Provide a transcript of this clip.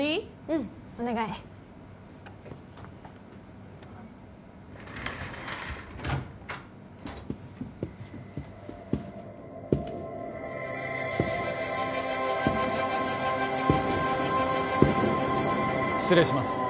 うんお願い失礼します